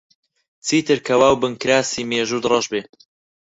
چیتر کەوا و بنکراسی مێژووت ڕەش بێ؟